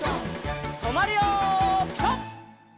とまるよピタ！